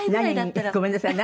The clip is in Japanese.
何ごめんなさい。